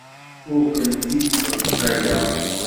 Ur kent-id-sseḍsayeɣ.